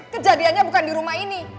kejadiannya bukan di rumah ini